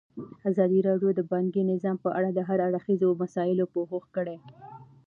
ازادي راډیو د بانکي نظام په اړه د هر اړخیزو مسایلو پوښښ کړی.